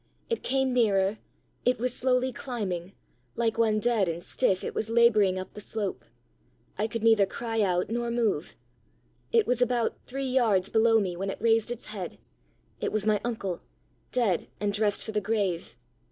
It came nearer; it was slowly climbing; like one dead and stiff it was labouring up the slope. I could neither cry out nor move. It was about three yards below me, when it raised its head: it was my uncle, dead, and dressed for the grave.